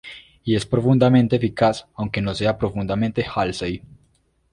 Y es profundamente eficaz, aunque no sea profundamente Halsey.